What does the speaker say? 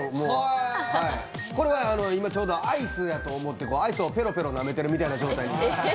これは今、ちょうどアイスやと思って、アイスをペロペロなめてるところ。